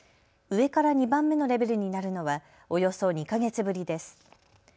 上から２番目のレベルになるのはおよそ２か月ぶりです。